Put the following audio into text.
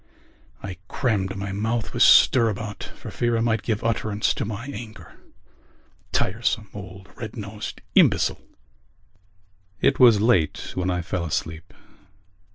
I crammed my mouth with stirabout for fear I might give utterance to my anger. Tiresome old red nosed imbecile! It was late when I fell asleep.